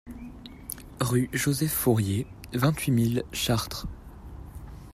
Rue Joseph Fourier, vingt-huit mille Chartres